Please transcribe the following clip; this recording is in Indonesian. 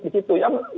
di situ ya